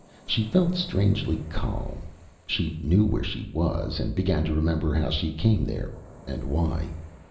She felt strangely calm. She knew where she was, and began to remember how she came there and why.